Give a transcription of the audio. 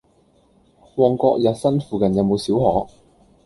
旺角逸新附近有無小學？